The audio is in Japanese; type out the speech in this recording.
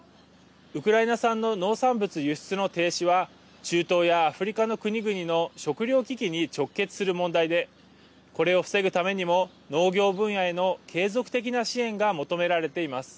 ウクライナ産の農産物輸出の停止は中東やアフリカの国々の食料危機に直結する問題でこれを防ぐためにも農業分野への継続的な支援が求められています。